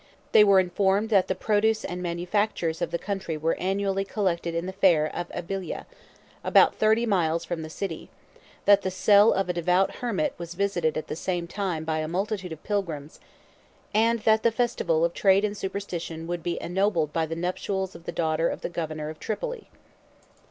They were informed that the produce and manufactures of the country were annually collected in the fair of Abyla, 64 about thirty miles from the city; that the cell of a devout hermit was visited at the same time by a multitude of pilgrims; and that the festival of trade and superstition would be ennobled by the nuptials of the daughter of the governor of Tripoli.